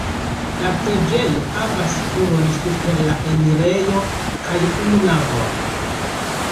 La preĝejo havas turon super la enirejo kaj unu navon.